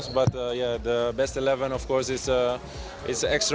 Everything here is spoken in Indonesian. tapi ya top sebelas tentunya adalah penghargaan yang ekstra